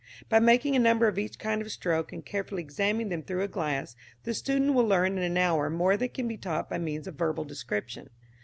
By making a number of each kind of stroke and carefully examining them through a glass, the student will learn in an hour more than can be taught by means of verbal description.